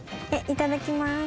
いただきます。